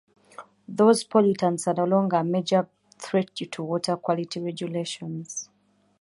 Those pollutants are no longer a major threat due to water quality regulations.